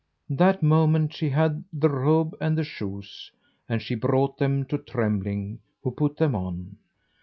That moment she had the robe and the shoes, and she brought them to Trembling, who put them on.